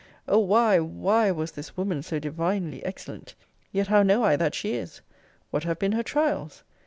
O why, why, was this woman so divinely excellent! Yet how know I that she is? What have been her trials?